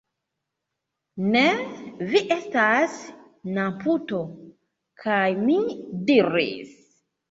Ne, vi estas namputo! kaj mi diris: